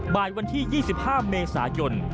บ่ายวันที่๒๕เมษายน